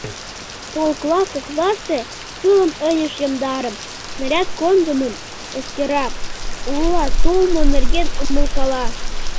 Полкла коклаште кылым ынеж йомдаре; снаряд кондымым эскера, ула толмо нерген умылкала...